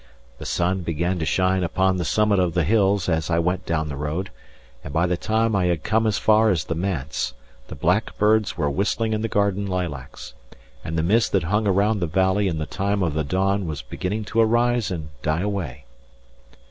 The sun began to shine upon the summit of the hills as I went down the road; and by the time I had come as far as the manse, the blackbirds were whistling in the garden lilacs, and the mist that hung around the valley in the time of the dawn was beginning to arise and die away.